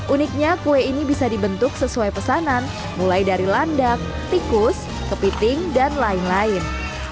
uniknya kue ini bisa dibentuk sesuai pesanan mulai dari landak tikus kepiting dan lain lain